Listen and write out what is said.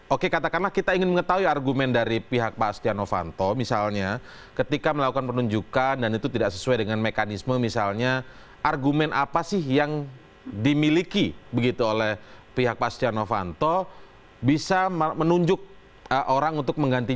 oke katakanlah kita ingin mengetahui argumen dari pihak pak setia novanto misalnya ketika melakukan penunjukan dan itu tidak sesuai dengan mekanisme misalnya argumen apa sih yang dimiliki begitu oleh pihak pak setia novanto bisa menunjuk orang untuk mengganti